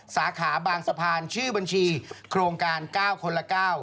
สาขาบางสะพานชื่อบัญชีโครงการ๙คนละ๙